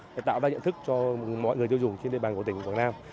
để tạo ra nhận thức cho mọi người tiêu dùng trên địa bàn của tỉnh quảng nam